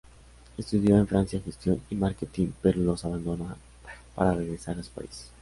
Estudió en Francia gestión y marketing pero los abandonará para regresar a su país.